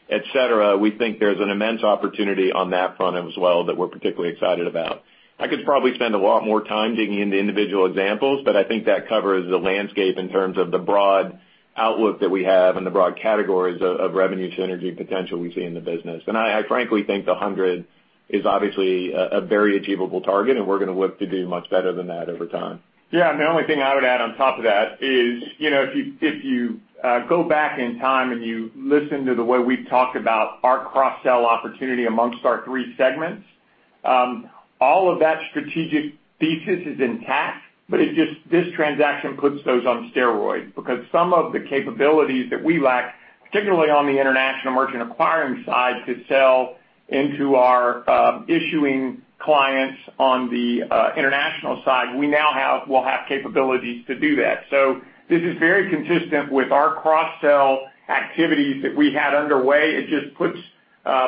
et cetera, we think there's an immense opportunity on that front as well that we're particularly excited about. I could probably spend a lot more time digging into individual examples, I think that covers the landscape in terms of the broad outlook that we have and the broad categories of revenue synergy potential we see in the business. I frankly think the $100 is obviously a very achievable target, we're going to look to do much better than that over time. Yeah, the only thing I would add on top of that is if you go back in time and you listen to the way we've talked about our cross-sell opportunity amongst our three segments, all of that strategic thesis is intact, but this transaction puts those on steroids because some of the capabilities that we lack, particularly on the international merchant acquiring side, to sell into our issuing clients on the international side, we now will have capabilities to do that. This is very consistent with our cross-sell activities that we had underway. It just puts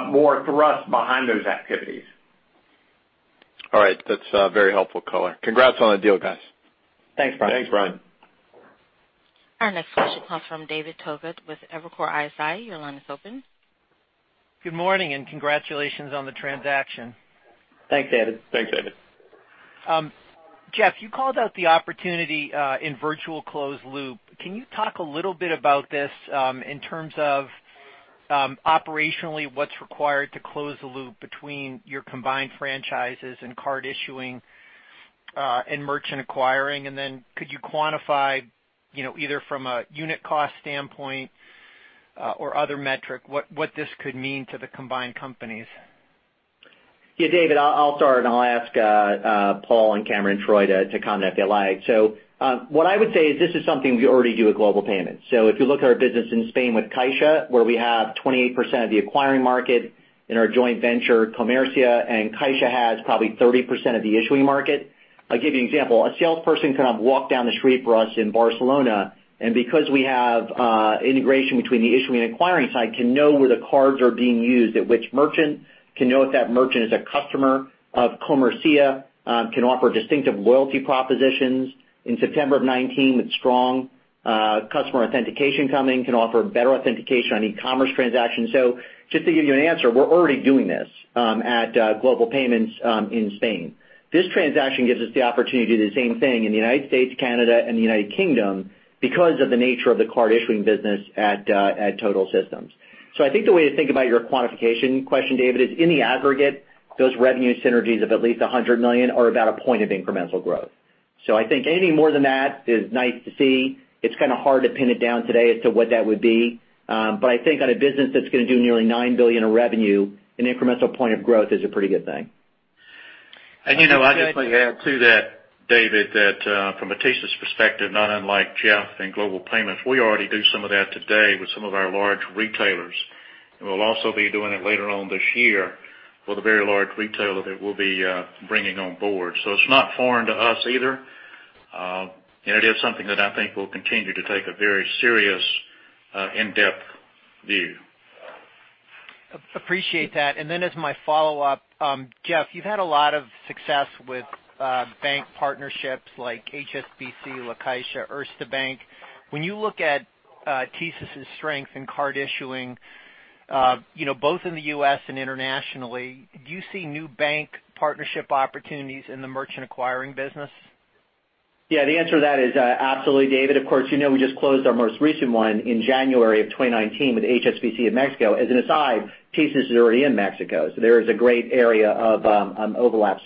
more thrust behind those activities. All right. That's a very helpful color. Congrats on the deal, guys. Thanks, Bryan. Thanks, Bryan. Our next question comes from David Togut with Evercore ISI. Your line is open. Good morning, congratulations on the transaction. Thanks, David. Thanks, David. Jeff, you called out the opportunity in virtual closed loop. Can you talk a little bit about this in terms of operationally what's required to close the loop between your combined franchises and card issuing and merchant acquiring? Could you quantify, either from a unit cost standpoint or other metric, what this could mean to the combined companies? Yeah, David, I'll start and I'll ask Paul and Cameron and Troy to comment if they like. What I would say is this is something we already do at Global Payments. If you look at our business in Spain with CaixaBank, where we have 28% of the acquiring market in our joint venture, Comercia, and CaixaBank has probably 30% of the issuing market. I'll give you an example. A salesperson can walk down the street for us in Barcelona, and because we have integration between the issuing and acquiring side, can know where the cards are being used, at which merchant, can know if that merchant is a customer of Comercia, can offer distinctive loyalty propositions. In September of 2019, with Strong Customer Authentication coming can offer better authentication on e-commerce transactions. Just to give you an answer, we're already doing this at Global Payments in Spain. This transaction gives us the opportunity to do the same thing in the U.S., Canada, and the U.K. because of the nature of the card issuing business at Total Systems. I think the way to think about your quantification question, David, is in the aggregate, those revenue synergies of at least $100 million are about a point of incremental growth. I think anything more than that is nice to see. It's kind of hard to pin it down today as to what that would be. I think on a business that's going to do nearly $9 billion of revenue, an incremental point of growth is a pretty good thing. I'd just like to add to that, David, that from a TSYS perspective, not unlike Jeff and Global Payments, we already do some of that today with some of our large retailers. We'll also be doing it later on this year with a very large retailer that we'll be bringing on board. It's not foreign to us either. It is something that I think we'll continue to take a very serious in-depth view. Appreciate that. As my follow-up, Jeff, you've had a lot of success with bank partnerships like HSBC, La Caixa, Erste Bank. When you look at TSYS' strength in card issuing both in the U.S. and internationally, do you see new bank partnership opportunities in the merchant acquiring business? Yeah, the answer to that is absolutely, David. Of course, you know we just closed our most recent one in January of 2019 with HSBC in Mexico. As an aside, TSYS is already in Mexico, so there is a great area of overlap.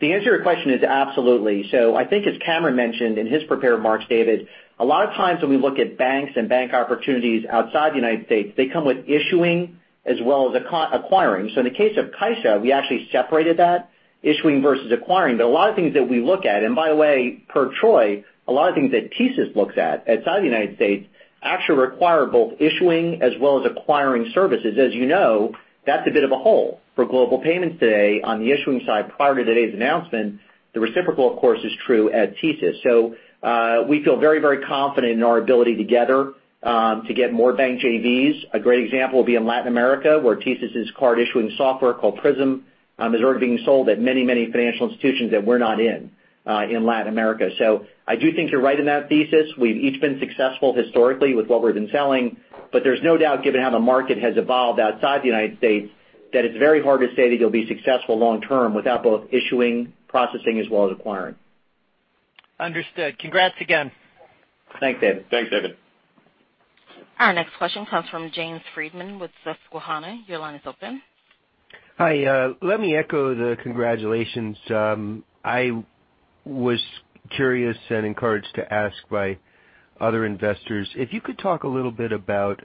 The answer to your question is absolutely. I think as Cameron mentioned in his prepared remarks, David, a lot of times when we look at banks and bank opportunities outside the United States, they come with issuing as well as acquiring. In the case of Caixa, we actually separated that, issuing versus acquiring. A lot of things that we look at, and by the way, per Troy, a lot of things that TSYS looks at outside the United States actually require both issuing as well as acquiring services. As you know, that's a bit of a hole for Global Payments today on the issuing side prior to today's announcement. The reciprocal, of course, is true at TSYS. We feel very confident in our ability together to get more bank JVs. A great example would be in Latin America, where TSYS' card issuing software called Prism is already being sold at many financial institutions that we're not in Latin America. I do think you're right in that thesis. We've each been successful historically with what we've been selling. There's no doubt, given how the market has evolved outside the United States, that it's very hard to say that you'll be successful long term without both issuing, processing, as well as acquiring. Understood. Congrats again. Thanks, David. Thanks, David. Our next question comes from James Friedman with Susquehanna. Your line is open. Hi. Let me echo the congratulations. I was curious and encouraged to ask by other investors, if you could talk a little bit about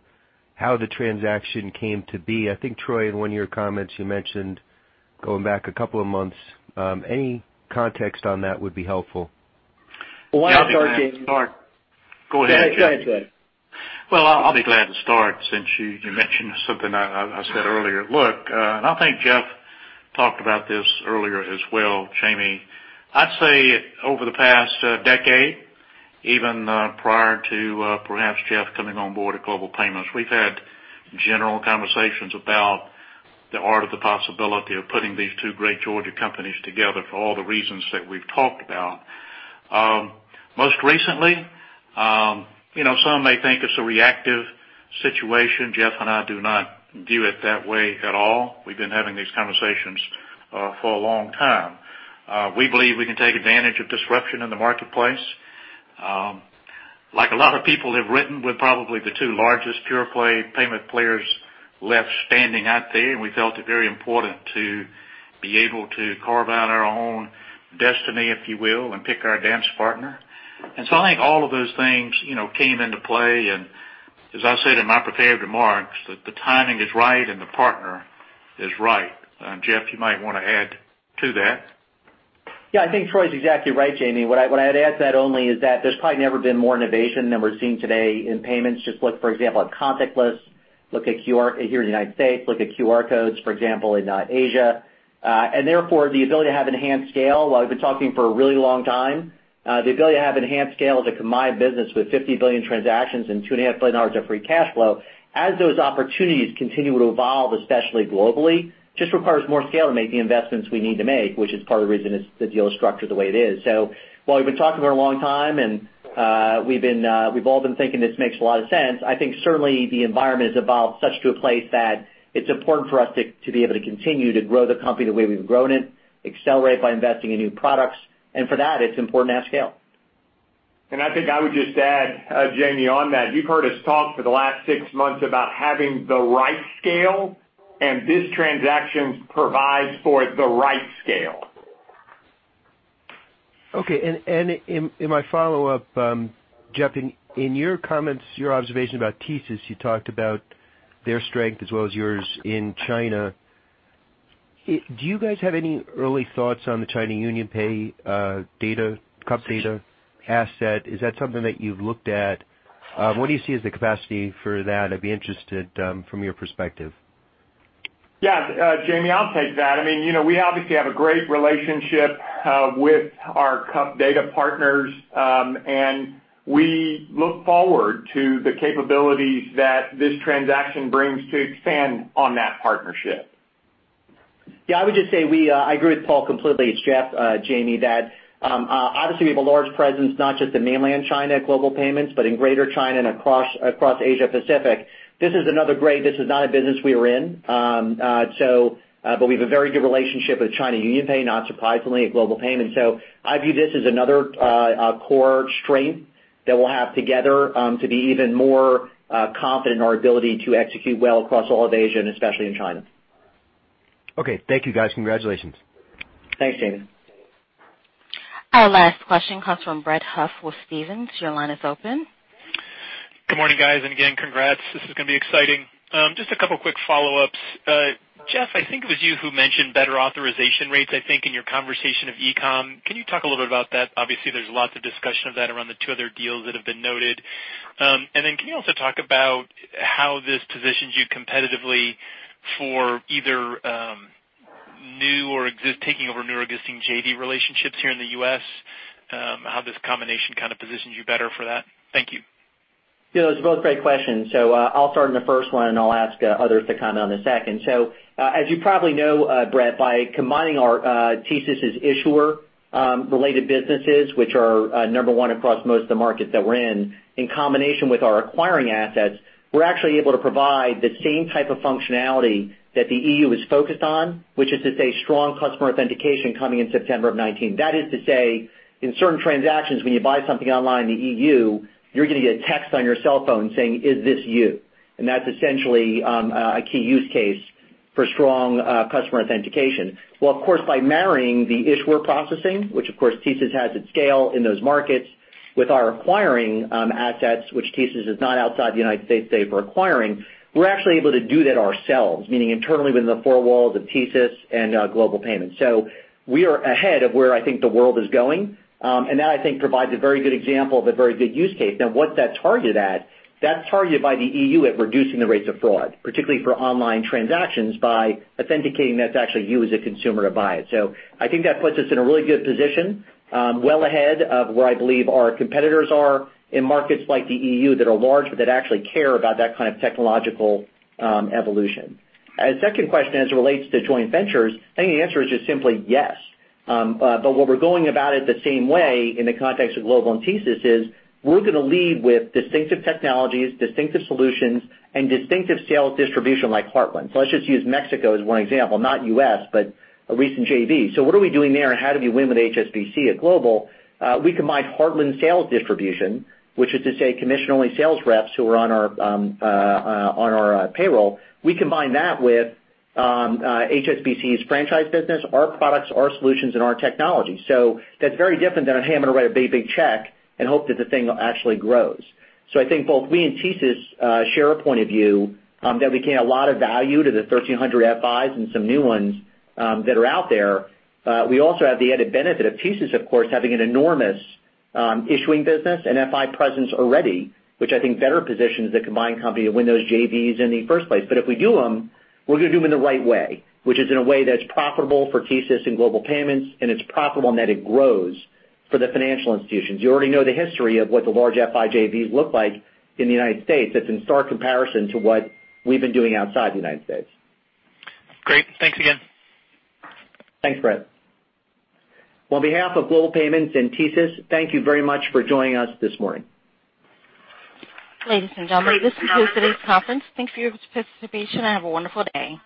how the transaction came to be. I think, Troy, in one of your comments you mentioned going back a couple of months. Any context on that would be helpful. Why don't you start, Jamie? Go ahead. Go ahead, Troy. Well, I'll be glad to start since you mentioned something I said earlier. Look, I think Jeff talked about this earlier as well, Jamie. I'd say over the past decade, even prior to perhaps Jeff coming on board at Global Payments, we've had general conversations about the art of the possibility of putting these two great Georgia companies together for all the reasons that we've talked about. Most recently, some may think it's a reactive situation. Jeff and I do not view it that way at all. We've been having these conversations for a long time. We believe we can take advantage of disruption in the marketplace. Like a lot of people have written, we're probably the two largest pure-play payment players left standing out there, and we felt it very important to be able to carve out our own destiny, if you will, and pick our dance partner. I think all of those things came into play. As I said in my prepared remarks, that the timing is right and the partner is right. Jeff, you might want to add to that. Yeah, I think Troy's exactly right, Jamie. What I'd add to that only is that there's probably never been more innovation than we're seeing today in payments. Just look, for example, at contactless. Here in the U.S., look at QR codes, for example, in Asia. Therefore, the ability to have enhanced scale, while we've been talking for a really long time, the ability to have enhanced scale as a combined business with 50 billion transactions and $2.5 billion of free cash flow, as those opportunities continue to evolve, especially globally, just requires more scale to make the investments we need to make, which is part of the reason the deal is structured the way it is. While we've been talking for a long time and we've all been thinking this makes a lot of sense, I think certainly the environment has evolved such to a place that it's important for us to be able to continue to grow the company the way we've grown it, accelerate by investing in new products, and for that, it's important to have scale. I think I would just add, Jamie, on that, you've heard us talk for the last six months about having the right scale, and this transaction provides for the right scale. Okay. In my follow-up, Jeff, in your comments, your observation about TSYS, you talked about their strength as well as yours in China. Do you guys have any early thoughts on the China UnionPay asset? Is that something that you've looked at? What do you see as the capacity for that? I'd be interested from your perspective. Yeah. Jamie, I'll take that. We obviously have a great relationship with our China UnionPay partners. We look forward to the capabilities that this transaction brings to expand on that partnership. Yeah, I would just say I agree with Paul completely. It's Jeff, Jamie, that obviously we have a large presence, not just in mainland China at Global Payments, but in Greater China and across Asia Pacific. This is not a business we are in. We have a very good relationship with China UnionPay, not surprisingly, at Global Payments. I view this as another core strength that we'll have together to be even more confident in our ability to execute well across all of Asia, and especially in China. Okay. Thank you, guys. Congratulations. Thanks, Jamie. Our last question comes from Brett Huff with Stephens. Your line is open. Good morning, guys. Again, congrats. This is going to be exciting. Just a couple quick follow-ups. Jeff, I think it was you who mentioned better authorization rates, I think, in your conversation of e-com. Can you talk a little bit about that? Obviously, there's lots of discussion of that around the two other deals that have been noted. Then can you also talk about how this positions you competitively for either taking over new or existing JV relationships here in the U.S., how this combination kind of positions you better for that? Thank you. Yeah, those are both great questions. I'll start on the first one, I'll ask others to comment on the second. As you probably know, Brett, by combining our TSYS' issuer-related businesses, which are number one across most of the markets that we're in combination with our acquiring assets, we're actually able to provide the same type of functionality that the EU is focused on, which is to say Strong Customer Authentication coming in September of 2019. That is to say, in certain transactions when you buy something online in the EU, you're going to get a text on your cell phone saying, "Is this you?" That's essentially a key use case for Strong Customer Authentication. Well, of course, by marrying the Issuer Solutions processing, which of course TSYS has at scale in those markets, with our acquiring assets, which TSYS does not outside the U.S. save for acquiring, we're actually able to do that ourselves, meaning internally within the four walls of TSYS and Global Payments. We are ahead of where I think the world is going. That, I think, provides a very good example of a very good use case. Now what's that targeted at? That's targeted by the EU at reducing the rates of fraud, particularly for online transactions by authenticating that it's actually you as a consumer to buy it. I think that puts us in a really good position, well ahead of where I believe our competitors are in markets like the EU that are large, but that actually care about that kind of technological evolution. Second question, as it relates to joint ventures, I think the answer is just simply yes. What we're going about it the same way in the context of Global and TSYS is we're going to lead with distinctive technologies, distinctive solutions, and distinctive sales distribution like Heartland. Let's just use Mexico as one example, not U.S., but a recent JV. What are we doing there, and how do we win with HSBC at Global? We combine Heartland sales distribution, which is to say commission-only sales reps who are on our payroll. We combine that with HSBC's franchise business, our products, our solutions, and our technology. That's very different than, "Hey, I'm going to write a big, big check and hope that the thing actually grows." I think both we and TSYS share a point of view that we can add a lot of value to the 1,300 FIs and some new ones that are out there. We also have the added benefit of TSYS, of course, having an enormous Issuer Solutions business and FI presence already, which I think better positions the combined company to win those JVs in the first place. If we do them, we're going to do them in the right way, which is in a way that's profitable for TSYS and Global Payments, and it's profitable in that it grows for the financial institutions. You already know the history of what the large FI JVs look like in the U.S. That's in stark comparison to what we've been doing outside the U.S. Great. Thanks again. Thanks, Brett. Well, on behalf of Global Payments and TSYS, thank you very much for joining us this morning. Ladies and gentlemen, this concludes today's conference. Thanks for your participation, and have a wonderful day.